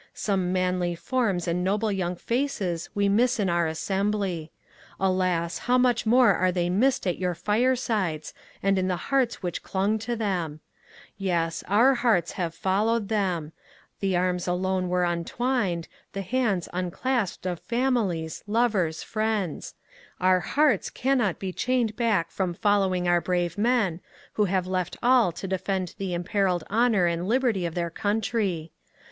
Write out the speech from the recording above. Some manly forms and noble young faces we miss in our assembly ; alas, how much more are they missed at your firesides, and in the hearts which clung to them I Yes, our hearts have followed them ; the arms alone were untwined, the hands unclasped of families, lovers, friends, — our hearts cannot be chained back from following our brave men, who have left all to defend the imperilled honour and liberty of their country